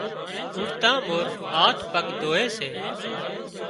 اُوٺتان مورِ هاٿ پڳ ڌووي سي۔